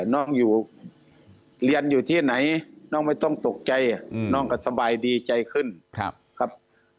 น้องอยู่เรียนอยู่ที่ไหนน้องไม่ต้องตกใจน้องก็สบายดีใจขึ้นครับ